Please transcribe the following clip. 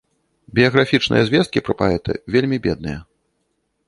Біяграфічныя звесткі пра паэта вельмі бедныя.